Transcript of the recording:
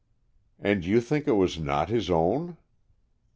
"And you think it was not his own?"